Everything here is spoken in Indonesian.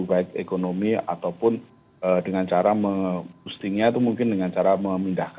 baik ekonomi ataupun dengan cara boostingnya itu mungkin dengan cara memindahkan ibu kota